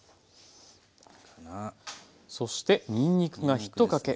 そしてにんにくが１かけ。